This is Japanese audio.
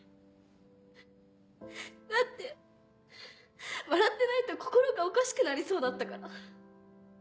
だって笑ってないと心がおかしくなりそうだったから。